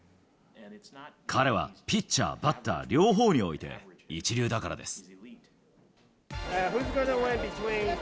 彼はピッチャー、バッター両方において一流だからです。